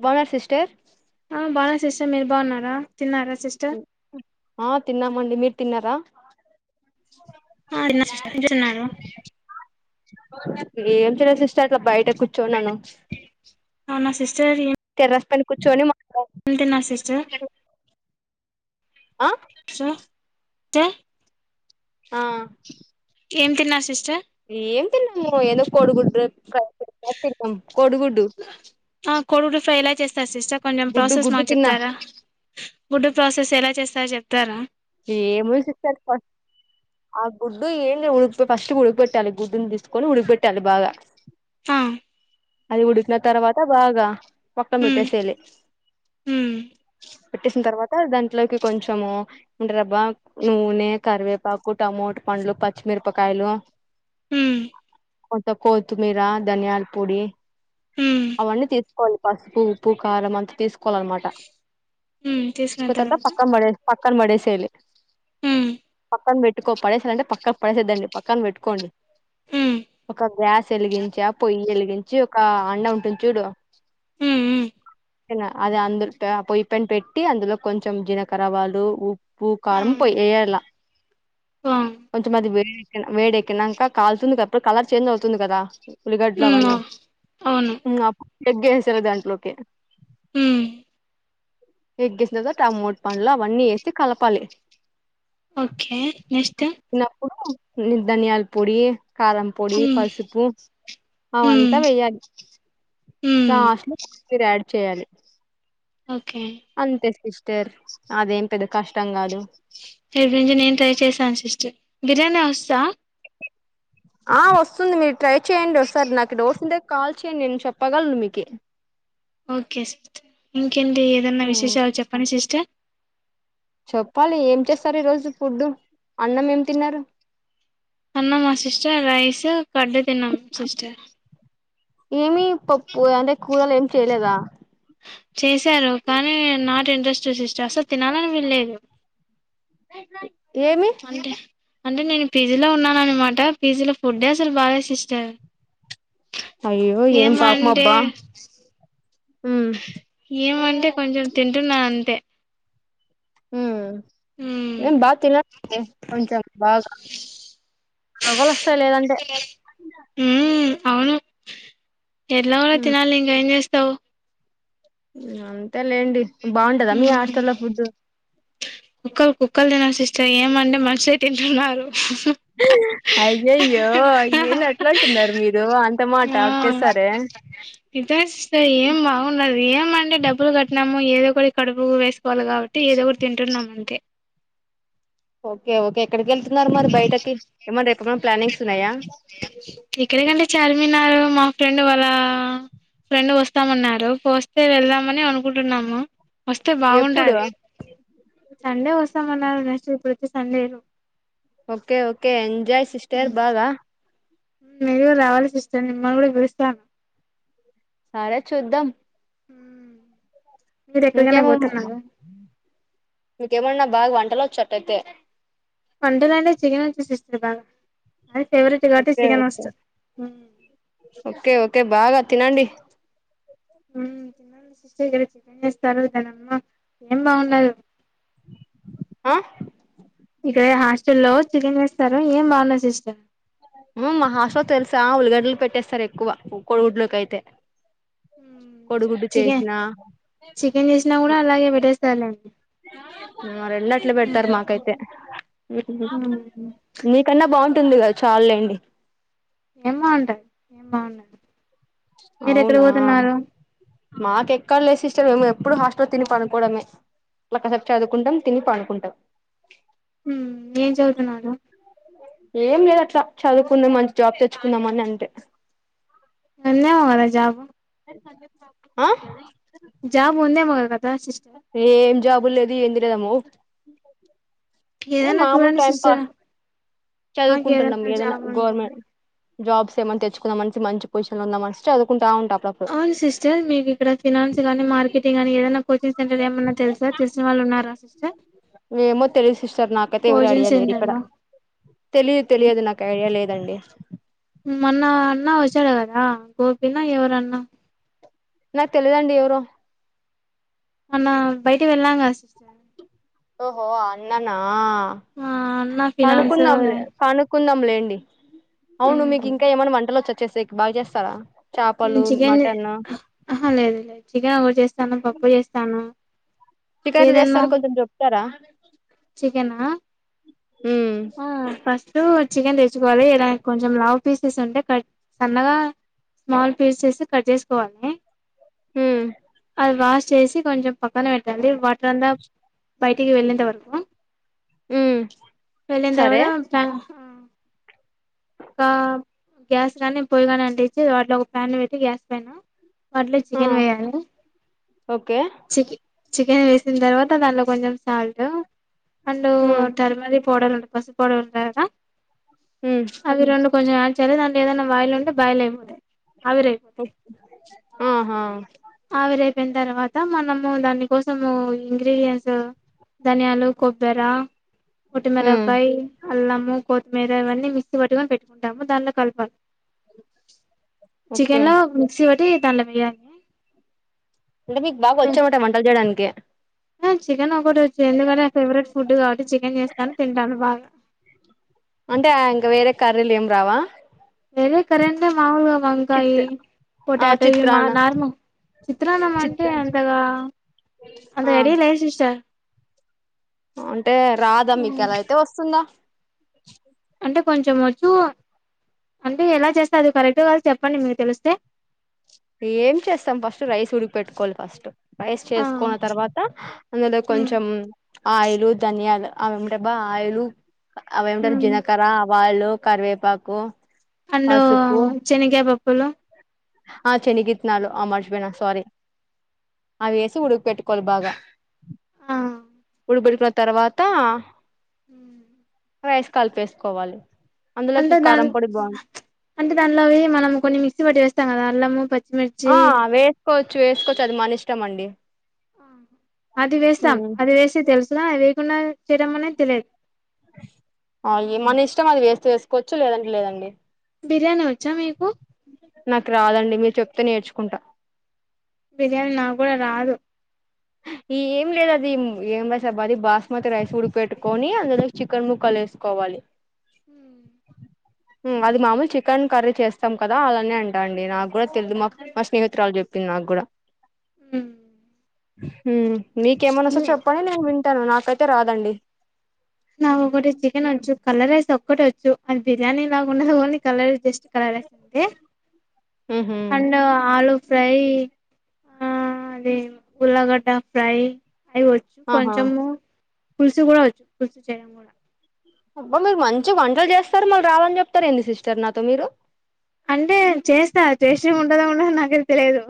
బాగున్నారా సిస్టర్? ఆ బాగున్నా సిస్టర్. మీరు బాగున్నారా? తిన్నారా సిస్టర్ ఆ తిన్నామండి. మీరు తిన్నారా? ఆ సిస్టర్ ఏం తిన్నారు? ఇది ఏం చేలిపిస్ ఉరికే అట్లా బయట కూర్చోన్నాను అవునా తెరస్ పైన కూర్చోని మాట్లాడ అంతేనా సిస్టర్ ఆ సో ఆ ఏం తిన్నావు సిస్టర్ ఏం తిన్నాను ఏదో కొడుగుడ్డు [unintelligible] కొడిగుడ్డు ఫ్రై ఎలా చేస్తారు సిస్టర్ కొంచెం ప్రాసెస్ గుడ్డు మాకు తిన్నా చెప్తారా గుడ్డు ప్రాసెస్ ఎలా చేస్తా చెప్తారా ఏమో [unintelligible] ఆ గుడ్డు ఏంది ఫస్ట్ ఉడకపెట్టాలి గుడ్డుని తీసుకొని ఉడకపెట్టాలి బాగా ఆ అది ఉడికిన తర్వాత బాగా పక్కన ఉమ్ పెట్టేసేయాలి ఉమ్ పెట్టేసిన తర్వాత దాంట్లోకి కొంచము రబ్బా నూనె కరివేపాకు టమోట పండ్లు పచ్చిమిరపకాయలు మ్మ్ కొంత కొత్తిమీర ధనియాల పొడి ఉమ్ అవన్నీ తీసుకోవాలి పసుపు ఉప్పు కారం అంతా తీసుకోవాలి అన్నమాట ఉమ్ తీసుకున్న కుదిరితే తర్వాత పక్కన పడె పక్కన పడేసేయాలి ఉమ్ పక్కన పెట్టుకో పడేసాలంటే పక్కన పడేసేద్దండి పక్కన పెట్టుకోండి ఉమ్ ఒక గ్యాస్ వెలిగించా పొయ్యి వెలిగించి ఒక అండా ఉంటుంది చూడు మ్మ్ అది అందు పొయ్యి పైన పెట్టి అందులో కొంచెం జీలకర్ర ఆవాలు ఉప్పు ఆ కారం పోయి ఎయాలా [inaudible] కొంచెం అది వేడెక్కిన వేడెక్కినాంకా కాల్తుంది కదా అప్పుడు కలర్ చేంజ్ అవుతుంది కదా ఉల్లిగడ్డలు ఉమ్ ఆ అవన్నీ అవును మ్మ్ ఎగ్ యేసేయాలి దాంట్లోకి ఉమ్ ఎగ్ ఏసినాకా టమోటాలు అవన్ని యేసి కలపాలి ఓకే నెక్స్ట్ చిన్నప్పుడు ధనియాల పొడి కారం పొడి ఉమ్ పసుపు అన్ ఉమ్ ఉమ్ లాస్ట్ లో కోత్తిమీర యాడ్ చేయాలి ఓకే అంతే సిస్టర్ అదేం పెద్ద కష్టం కాదు రేపటి ఇది నేను ట్రై చేసాను సిస్టర్ బిర్యానీ వచ్చా ఆ వస్తుంది మీరు ట్రై చేయండి ఓసారి నాకు డోస్ ఉంటే కాల్ చేయండి నేను చెప్పగలను మీకి ఓకే ఇంకేంటి ఏదన్నా విశేషాలు చెప్పండి సిస్టర్ చెప్పాలి ఏం చేస్తారు ఈ రోజు ఫుడ్డు అన్నం ఏం తిన్నారు అన్నమా సిస్టర్ రైస్ కర్డ్ తిన్నాము సిస్టర్ ఏమి పప్పు అంటే కూరలు ఏమి చేయలేదా చేశారు కానీ నాట్ ఇంట్రెస్టెడ్ సిస్టర్ అసలు తినాలని అని కూడలేదు ఏమి అండి అంటే నేను పిజీలో ఉన్నా అన్నమాట పిజీలో ఫుడ్డే అసలు బాలే సిస్టర్ అయ్యో ఏం పాపం ఏమంటే అబ్బా ఉమ్ ఏమంటే కొంచెం తింటున్నా అంతే ఉమ్. మ్మ్ ఏం బాగా తినాలి అండి కొంచెం బాగా మోబ్బులు వస్తాయి లేదంటే ఎట్లాగో ఉమ్ తినాలి ఇంగా ఏం చేస్తావు అంతే లేండి బాగుంటదా మీ మ్మ్ హాస్టల్ల్లో ఫుడ్ కుక్కలు కుక్కలు తినయ్ సిస్టర్ ఏమంటే మనిషిగా తింటున్నారు [inaudible] అయ్యయ్యో ఏంది అట్లా అంటున్నారు మీరు అంత మాట ఒకేసారే ఇదస్త ఏం బాగుండదు ఏమ అంటే డబ్బులు కట్టిన ము ఏదో ఒకటి కడుపుకు వేసుకోవాలి కాబట్టి ఏదో ఒకటి తింటున్నామ్ అంతే ఓకే ఓకే ఎక్కడికి వెళ్తున్నారు మరి బయటకి ఏమన్నా రేపు ఏమన్నా ప్లానింగ్స్ ఉన్నాయా ఎక్కడికంటే చార్మినార్ మా ఫ్రెండ్ వాళ్ళ ఫ్రెండ్ వస్తామన్నారు వస్తే వెళ్దామని అనుకుంటున్నాము వస్తే ఎప్పుడు బాగుండాలి సండే వస్తామన్నారు నెక్స్ట్ ఇప్పుడొచ్చే Sunday okay okay enjoy sister బాగా మీరు కూడా రావాలి సిస్టర్ మిమ్మల్ని కూడా పిలుస్తాను సరే చూద్దాం మ్ ఇంకేమ్ ఇంకేమన్నా బాగా వంటలు వచ్చు అటైతే వంటలు అంటే చికెన్ వచ్చేసి ఇస్తారు బాగా అది ఫేవరెట్ కాబట్టి ఓకే చికెన్ ఓకే వస్తు మ్మ్ ఓకే ఓకే బాగా తినండి మ్ చిన్న సిస్ చితంజస్త తారు దనమ్మా ఏం బాగుండదు [inaudible] ఆ ఇక్కడ హాస్టల్లో చికెన్ జేస్తారు ఏం బాగుండదు సిస్టర్ మ్ మాహాస్టల్లో తెలుసా ఉల్లిగడ్డ లు పెట్టేస్తారు ఎక్కువ కోడిగుడ్లో కైతే [inaudible] మ్ చికెన్ చికెన్ చేసినా కూడా అలాగే పెట్టేస్తారులేండి మరెళ్ళట్లు పెడుతారు మ్మ్ మాకైతే మ్ నీకన్నా బాగుంటుంది గదా చాలేండి ఏం బాగుంటాయి ఏం బాగుంటయి మీరు ఎక్కడ అవునా పోతున్నారు మాకెక్కడ లేదు సిస్టర్ మేము ఎప్పుడు హాస్టల్ తిని పనుకోవడమే అట్ల కాసేపు చదువుకుంటాం తిని పడుకుంటాం మ్మ్ ఏం చదువుతున్నారు ఏం లేదు అట్లా చదువుకునే మంచి జాబ్ తెచ్చుకుందామని అంతే ఉందేమో కదా జాబు ఆ జాబ్ ఉందేమొ కద ఏం జాబు లేదు ఏందిరేము ఎ ఏదైనా మామూలు చూడండి టైం పాస్ సిస్టర్ మాకు చదువుకుంటున్నాం ఏదైనా జాబ్ ఉందా గవర్నమెంట్ జాబ్స్ ఏమన్నా తెచ్చుకుందామనేసి మంచి పొజిన్లో ఉందమనేసి చదువు అవున్ సిస్టర్ మీకు ఇక్కడ ఫైనాన్స్ గానీ మార్కెటింగ్ గాని ఏదన్నా కోచింగ్ సెంటర్ ఏమన్నా తెలుసా తెలిసిన వాళ్ళు ఉన్నారా సిస్టర్ ఏమో తెలీదు సిస్టర్ నాకైతే ఎవరు కోచింగ్ ఐడియలేరు సెంటర్ ఇక్కడ లో తెలిదు ఓకే తెలియదు నాకు ఐడియా లేదండి మొన్న అన్న వచ్చాడు కదా గోపిన ఎవరన్నా నాకు తెలిదండి ఎవరో మొన్న బయటకి వెళ్ళాంగా సిస్టర్ ఓహో అన్ననా మా అన్న ఫినాన్స్ కనుకుందంలే కనుకుంద లేండి అవును మీకు మ్మ్. ఇంకా ఏమైన్నా వంటలు వచ్చ వసేకి బాగా చేస్తారా నేను చేపలు చికెన్ మటన్ అహ లేదు లేదు చికెన్ ఓటి చేస్తాను పప్పు చేస్తాను చికెన్ ఎట్ల ఏదన్నా జేస్తారు కొంచెం జెప్తరా చికెనా ఉమ్ ఆ ఫస్ట్ చికెన్ తెచ్చుకోవాలి కొంచెం లా వు పీసెస్ అంటే కట్ సన్నగా స్మాల్ పీసెస్ కట్ జేసుకోవాలి హ్మ్ అది వాష్ చేసి కొంచెం పక్కన పెట్టాలడి వాటర్ అంతా బయటికి వెళ్ళేంత వరకు ఉమ్ సరే [unintelligible] ఒక గ్యాస్ గాని పొయ్య గాని అంటచ్చి వాటిలో ఒక ప్యాన్ పెట్టి గ్యాస్ పైన దాంట్లో మీ ఆ చికెన్ వేయాలి ఓకే చె చికెన్ వేసిన తర్వాత దాలో కొంచెం salt and um turmeric powder ఉంట పసుపు పౌడర్ ఉంటది గా ఉమ్ అవి రెండు కొంచెం యాడ్ చేయాలి దాంట్లో ఏదైనా వాయలు ఉంటే బయలు అయిపోతాయి ఆవిరైపోతాయి ఆహా అవిరయిపోయిన తర్వాత అ మనము దాని కోసము ఇంగ్రీడియన్స్ ధనియాలు కొబ్బర ఉమ్ వట్టిమిరపకాయ్ అల్లము కొత్తిమీర ఇవన్నీ మిక్సి పట్టుకొని పెట్టుకుంటాము దానిలో కలపాలి ఓకే చికెన్ లో మిక్సీ బట్టి దానిలో వేయలీ అంటే మీకు బాగా వచ్చు అన్నమాట వంటలు చేయడానికి ఆ చికెన్ ఒకటి వచ్చు ఎందుకంటే నా ఫేవరెట్ ఫుడ్ కాబట్టి చికెన్ చేస్తాను తింటాను బాగా అంటే ఆ ఇంకా వేరే కర్రీలు ఏం రావా వేరే కరెంటే మాములుగా వంకాయి చిత్ ఆ పొటాటో ఇ మా చిత్రాన్నం నార్మల్ చిత్రన్నం చిత్ర అంటే అంతగా అంత ఆ రెడి లేదు సిస్టర్ అంటే రాదా మీకు ఎలా అయితే [inaudible] అంటే కొంచెం వచ్చు అంటే ఎలా చేస్తే అది కరెక్ట్ కాదు చెప్పండి మీకు తెలిస్తే ఏం చేస్తాం ఫస్ట్ రైస్ ఉడికి పెట్టుకోవాలి ఫస్ట్ రైస్ ఆ చేసుకున్న తర్వాత అందులో ఉమ్ కొంచం ఆయిలు ధనియాలు అవేం అబ్బా ఆయిలు అవి ఏంటారు ఉమ్ జిలకర్ర ఆవాలు కరివె పాకు అండ్ శనగ పప్పులు ఆ చెనిగిత్నాలు ఆ మర్చిపోయిన సారీ అవేసి ఉడుక పెట్టుకోవాలి బాగా ఆ ఉడకబెట్టుకున్న తర్వాత హ రైస్ కలిపేసుకోవాలి అందులోకి అంటే దా కారం పొడి బాగుంది అంటే దానిలోవి మనం కొన్ని మిక్సీ పట్టి వేస్తాం కదా అల్లము పచ్చి ఆ వేసుకోవచ్చు వేసుకోవచ్చు అది మన ఇష్టం అండి ఆ అది వేస్తాం అది వేసే తెలుసుదా అది వేయకుండా చేయడం అనేది తెలియదు అ మన ఇష్టం అది వేస్తే వేసుకోవచ్చు లేదంటే లేదండి బిర్యానీ వచ్చా మీకు నాకు రాదండి మీరు చెప్తే నేర్చుకుంటా బిర్యానీ నకూడా రాదు ఈ ఏం లేదు అది ఏం రైస్ అబ్బా అది బాస్మతి రైస్ ఉడిక పెట్టుకొని అందులో చికెన్ ముక్కలు వేసుకోవాలి హ అది మామూలు చికెన్ కర్రీ చేస్తాం కదా అలానే అంటా అండి నాకు కూడా తెలీదు మాకు మా స్నేహితురాలు చెప్పింది నాకు కూడా మ్ మ్ మీకేమన్నా వస్తే చెప్పండి నేను వింటాను. నాకైతే రాదండి. నాకి ఒకటి చికెన్ వచ్చు. కలర్ రైస్ ఒక్కటి వచ్చు అది బిర్యానీలాగ ఉండదు. Only colour rice just colour rice ఒకటే ఉహు అండ్ ఆలు ఫ్రై ఆ అది ఉల్లగడ్డ ఫ్రై అయివచ్చు ఆహా కొంచెము పులుసు కూడా వచ్చు పులుసు చేయడం కూడా అబ్బా మీరు మంచి వంటలు చేస్తారు మళ్ళ రావని చెప్తారు ఏంది సిస్టర్ నాతో మీరు? అంటే చేస్తా టేస్టీగా ఉంటదో ఉండదో నాకైతే తెలియదు.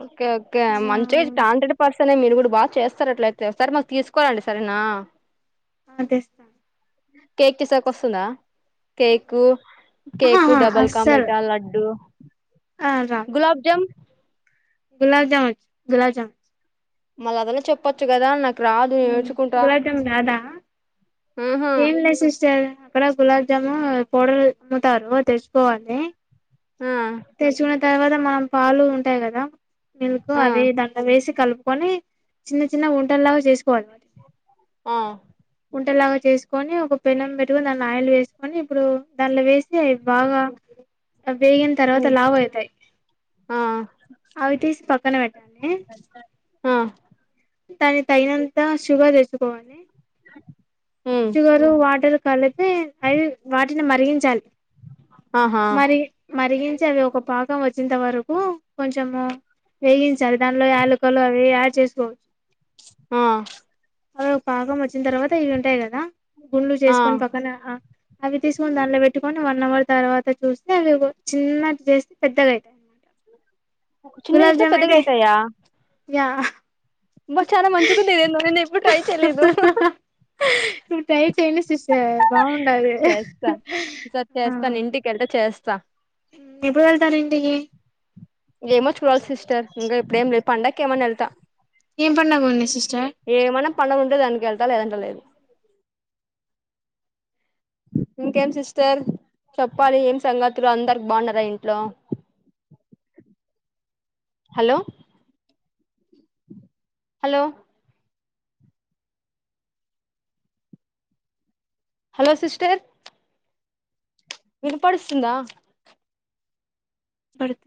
ఓకే ఓకే మంచిగా అయితే టాంటెడ్ పర్స తేనెం మీరు కూడా బా చేస్తారు అట్లయితే ఒసారి మాకు తీసుకోరండి సరేనా? అ తెస్తా కేక్ తీసేకి వస్తుందా కేకు, కేకు ఆహా డబల్ కా అస్సలు మిటా, లడ్డు ఆ రాదు రాదు. గులాబ్ జామ్ గులాబ్ జామ్ వచ్చు గులాబ్ జామ్ వచ్చు మళ్ళ అదల చెప్పొచ్చు కదా నాకు రాదు నేర్చుకుంటా గులాబ్ జామ్ రాదా ఆహా ఏం లేదు సిస్టర్ అక్కడ గులాబ్ జాము పౌడర్ అమ్ముతారు తెచ్చుకోవాలి. ఆ తెచ్చుకున్న తర్వాత మనం పాలు ఉంటాయి కదా మిల్క్ ఆ అవి దాంట్లో వేసి కలుపు కొని చిన్న చిన్న ఉంటల్లాగా చేసుకోవాలి వాటిని. ఆ ఉంటల్లాగా చేసుకొని ఒక పెనం పెట్టుకొని దాన్ని ఆయిల్ వేసుకొని ఇప్పుడు దాంట్లో వేసి అవి బాగా వేగిన తర్వాత ఉమ్ లావయితాయి ఆ అవి తీసి పక్కన పెట్టాలి. ఆ దాని తగినంత షుగర్ ఏసుకోవాలి. ఉమ్ షుగరు, వాటర్ మ్ అవి వాటిని మరిగించాలి ఆహా మరి మరిగించి అది ఒక పాకు పొంగు వచ్చేంత వరకు కొంచము వేగించాలి దానిలో యాలకలు అవి యాడ్ చేస్తు ఆ అవి ఒక పాకం వచ్చిన తర్వాత ఇవి ఉంటాయి కదా గుండ్లు ఆ చేసుకొని పక్కన అవి తీసుకొని దాంలో పెట్టుకొని వన్ అవర్ తర్వాత చూస్తే అదేదో చిన్నటివి చేస్తే పెద్దగయితాయి అని చిన్నగ గులాబ్ చేసినా జామ్ పెద్దగా అయితే యా బా చానా మంచిగుంది ఇదేందో నేను ఇప్పుడు ట్రై చెయలేదు. ఇప్పుడు ట్రై చేయండి సిస్ చే బాగుండాలి చేస్తా ఈసారి ఆ చేస్తాను ఇంటికెళ్తే చేస్తా మ్ ఎప్పుడు వెళతారు ఇంటికి? ఏమో చూడాలి సిస్టర్ ఇంకా ఇప్పుడేం లేదు పండక్కి ఏమన్నా ఎళ్తా. ఏం పండగ ఉంది సిస్టర్ ఏమన్నా పండగ ఉంటే దానికి వెళ్తా లేదంట లేదు అ ఇంకేం సిస్టర్ చెప్పాలి ఏం సంగతులు అందరు బాన్నారా ఇంట్లో అ హలో హలో హలో సిస్టర్ వినపడిస్తుందా పడద్